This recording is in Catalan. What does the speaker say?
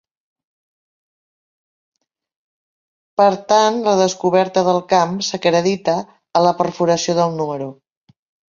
Per tant, la descoberta del camp s'acredita a la perforació del núm.